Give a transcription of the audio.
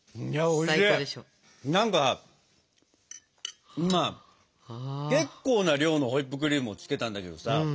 何か今結構な量のホイップクリームを付けたんだけどさ